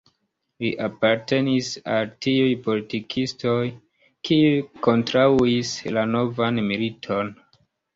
Li apartenis al tiuj politikistoj, kiuj kontraŭis la novan militon.